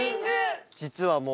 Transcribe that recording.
実はもう。